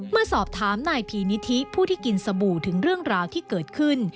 เมื่อสอบถามนายพีนิธิผู้ที่กินสบู่ถึงเรื่องราวที่เกิดขึ้น